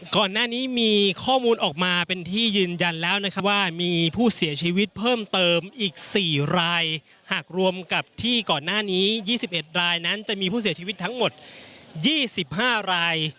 ก่อนหน้านี้มีข้อมูลออกมาเป็นที่ยืนยันแล้วนะครับว่ามีผู้เสียชีวิตเพิ่มเติมอีก๔รายหากรวมกับที่ก่อนหน้านี้๒๑รายนั้นจะมีผู้เสียชีวิตทั้งหมด๒๕ราย